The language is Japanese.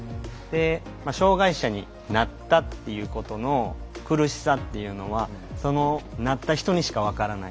障がい者になったということの苦しさというのはなった人にしかわからない。